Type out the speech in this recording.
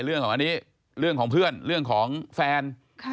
เรื่องของอันนี้เรื่องของเพื่อนเรื่องของแฟน